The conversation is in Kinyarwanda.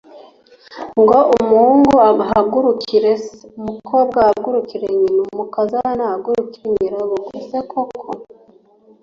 ngo umuhungu ahagurukire se umukobwa ahagurukire nyina n umukazana ahagurukire nyirabukwe c Koko